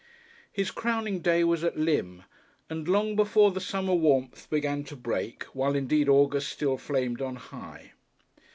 His crowning day was at Lympne, and long before the summer warmth began to break, while indeed August still flamed on high.